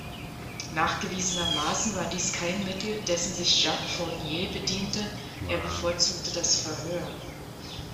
Nachgewiesenermaßen war dies kein Mittel, dessen sich Jacques Fournier bediente; er bevorzugte das Verhör.